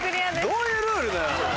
どういうルールなの？